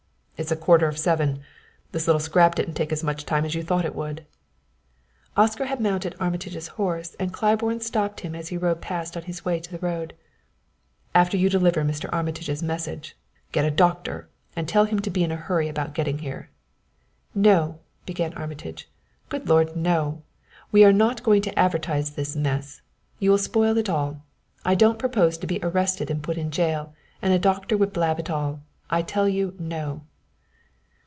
"It's a quarter of seven. This little scrap didn't take as much time as you thought it would." Oscar had mounted Armitage's horse and Claiborne stopped him as he rode past on his way to the road. "After you deliver Mr. Armitage's message, get a doctor and tell him to be in a hurry about getting here." "No!" began Armitage. "Good Lord, no! We are not going to advertise this mess. You will spoil it all. I don't propose to be arrested and put in jail, and a doctor would blab it all. I tell you, no!"